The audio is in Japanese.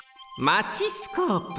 マチスコープ。